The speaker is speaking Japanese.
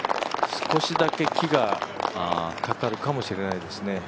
少しだけ木がかかるかもしれないですね。